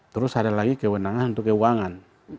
terus ada lagi kewenangan untuk keuangan